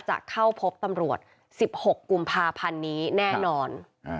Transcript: จะเข้าพบตำรวจ๑๖กุมภาพันธ์นี้แน่นอน